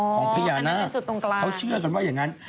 ของพญานาคเขาเชื่อกันว่าอย่างนั้น